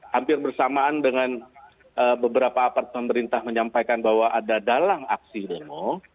hampir bersamaan dengan beberapa apart pemerintah menyampaikan bahwa ada dalang aksi demo